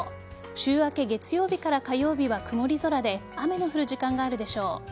週明け月曜日から火曜日は曇り空で雨の降る時間があるでしょう。